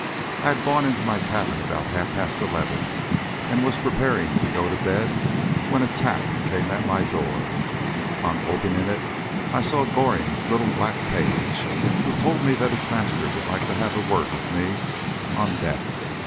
I had gone into my cabin about half past eleven, and was preparing to go to bed, when a tap came at my door. On opening it I saw Goring's little black page, who told me that his master would like to have a word with me on deck.